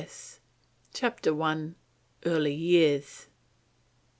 S. CHAPTER 1. EARLY YEARS.